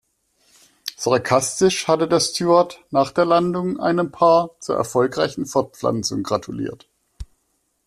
Sarkastisch hatte der Steward nach der Landung einem Paar zur erfolgreichen Fortpflanzung gratuliert.